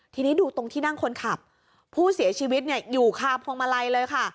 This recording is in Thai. ทีนี้ดูตรงที่นั่งคนขับผู้เสียชีวิตเนี่ยอยู่คาพวงมาลัยเลยค่ะ